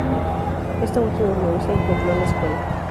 Esta última influencia impregnó la escuela.